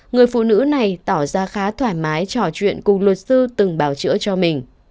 người phụ nữ này tỏ ra khá thoải mái trò chuyện cùng luật sư từng bào chữa cho mình